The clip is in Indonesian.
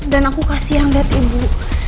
dan aku kasih yang dat ibu